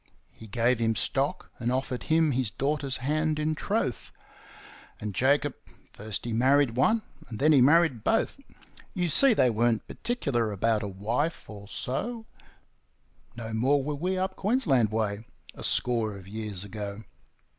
He gave him stock, and offered him his daughter's hand in troth; And Jacob first he married one, and then he married both; You see, they weren't particular about a wife or so No more were we up Queensland way a score of years ago.